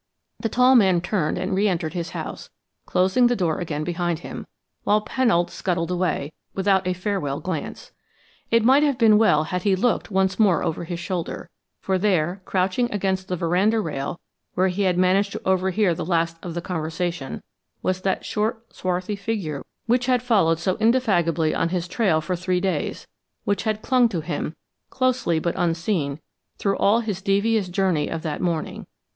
The tall man turned and re entered his house, closing the door again behind him, while Pennold scuttled away, without a farewell glance. It might have been well had he looked once more over his shoulder, for there, crouching against the veranda rail where he had managed to overhear the last of the conversation, was that short, swarthy figure which had followed so indefatigably on his trail for three days which had clung to him, closely but unseen, through all his devious journey of that morning.